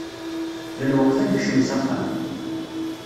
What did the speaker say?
D lweqt ad nekcem s axxam.